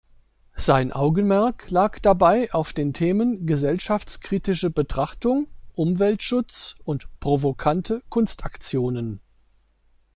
Sein Augenmerk lag dabei auf den Themen gesellschaftskritische Betrachtung, Umweltschutz und provokante Kunstaktionen.